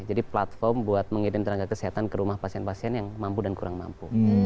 jadi platform buat mengirim tenaga kesehatan ke rumah pasien pasien yang mampu dan kurang mampu